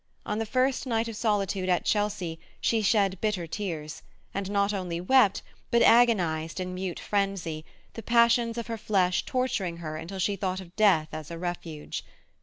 On the first night of solitude at Chelsea she shed bitter tears; and not only wept, but agonized in mute frenzy, the passions of her flesh torturing her until she thought of death as a refuge.